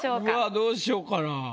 どうしようかな。